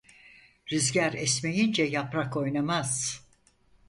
Rüzgâr esmeyince yaprak oynamaz.